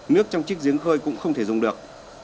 nước trong chiếc giếng khơi cũng không thể dùng được